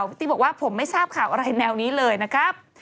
พี่ติ๊กบอกว่าผมไม่ทราบข่าวอะไรแนวนี้เลยนะครับ